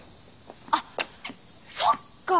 あっそっか！